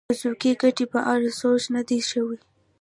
د ذوقي ګټې په اړه سوچ نه دی شوی.